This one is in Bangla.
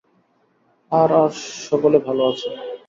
আর আর সকলে ভাল আছে।